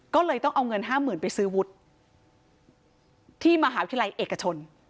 ก็เลยต้องเอาเงินห้าหมื่นไปซื้อวุฒิที่มหาวิทยาลัยเอกชน